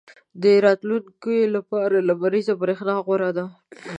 • د راتلونکي لپاره لمریزه برېښنا غوره ده.